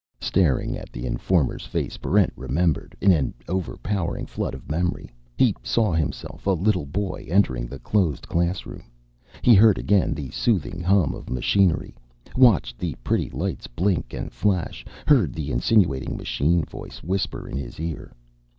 Staring at the informer's face, Barrent remembered. In an overpowering flood of memory he saw himself, a little boy, entering the closed classroom. He heard again the soothing hum of machinery, watched the pretty lights blink and flash, heard the insinuating machine voice whisper in his ear.